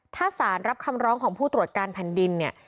ถ้าสารรับคำร้องของผู้ตรวจการแผ่นดินเนี่ย